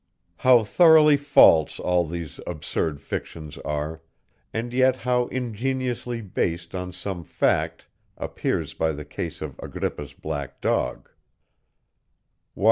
How thoroughly false all these absurd fictions are, and yet how ingeniously based on some fact, appears by the case of Agrippa's black dog.